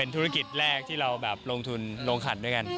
ธุรกิจแรกที่เราแบบลงทุนลงขันด้วยกัน